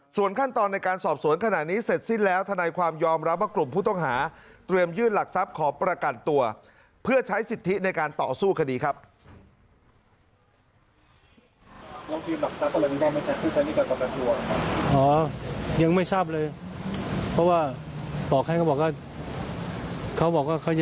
ส่วนขั้นตอนในการสอบสวนขณะนี้เสร็จสิ้นแล้วทนายความยอมรับว่ากลุ่มผู้ต้องหาเตรียมยื่นหลักทรัพย์ขอประกันตัวเพื่อใช้สิทธิในการต่อสู้คดีครับ